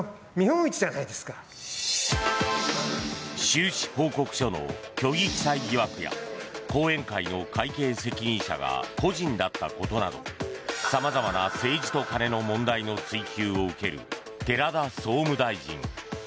収支報告書の虚偽記載疑惑や後援会の会計責任者が故人だったことなど様々な政治と金の問題の追及を受ける寺田総務大臣。